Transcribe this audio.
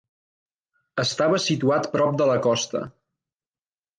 Estava situat prop de la costa.